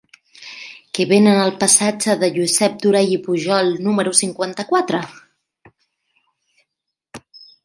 Què venen al passatge de Josep Durall i Pujol número cinquanta-quatre?